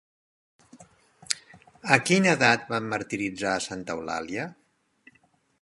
A quina edat van martiritzar a Santa Eulàlia?